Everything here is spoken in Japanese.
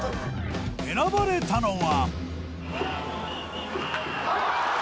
選ばれたのは。